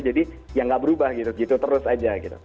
jadi ya nggak berubah gitu terus aja gitu